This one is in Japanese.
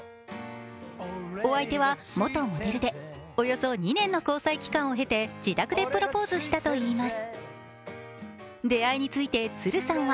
お相手は元モデルでおよそ２年の交際期間を経て自宅でプロポーズしたといいます。